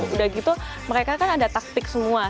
udah gitu mereka kan ada taktik semua